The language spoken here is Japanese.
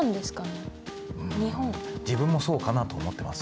自分もそうかなと思ってます。